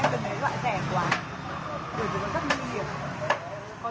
có thể là mình bán ra là mình có tâm một phút